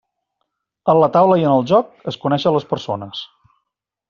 En la taula i en el joc es coneixen les persones.